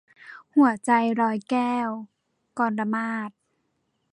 หัวใจลอยแก้ว - กรมาศ